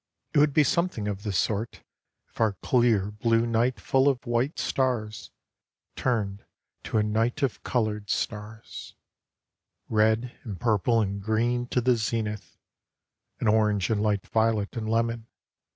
It would be something of the sort If our clear blue night full of white stars Turned to a night of coloured stars Red and purple and green to the zenith, And orange and light violet and lemon.